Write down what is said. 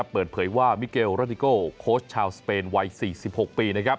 เปิดเผยว่ามิเกลโรดิโกโค้ชชาวสเปนวัย๔๖ปี